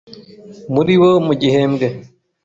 muri bo mu gihembwe.